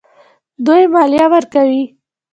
دوی مالیه ورکوي.